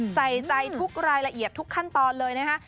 ใส่ใจทุกรายละเอียดทุกขั้นตอนเลยนะคะ